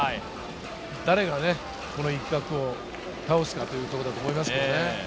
誰がこの一角を倒すかということだと思いますね。